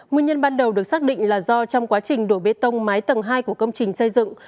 nguyên nhân ban đầu được xác định là do trong quá trình đổ bê tông mái tầng hai của công trình xây dựng